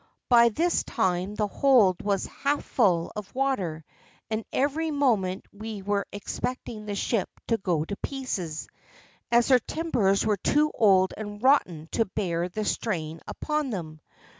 By this time the hold was half full of water, and every moment we were expecting the ship to go to pieces, as her timbers were too old and rotten to bear the strain upon them.